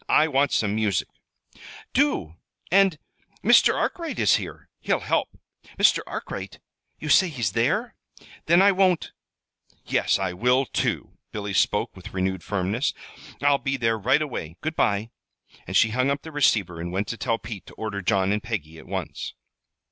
I want some music." "Do! And Mr. Arkwright is here. He'll help." "Mr. Arkwright? You say he's there? Then I won't Yes, I will, too." Billy spoke with renewed firmness. "I'll be there right away. Good by." And she hung up the receiver, and went to tell Pete to order John and Peggy at once.